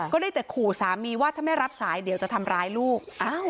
ก็ได้แต่ขู่สามีว่าถ้าไม่รับสายเดี๋ยวจะทำร้ายลูก